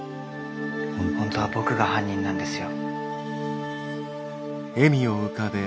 本当は僕が犯人なんですよ。